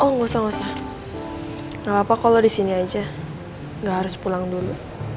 gak usah gak apa apa kok lo disini aja gak harus pulang dulu